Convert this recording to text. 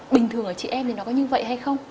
bình thường ở chị em thì nó có như vậy hay không